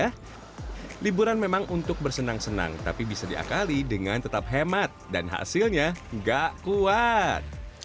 ya liburan memang untuk bersenang senang tapi bisa diakali dengan tetap hemat dan hasilnya nggak kuat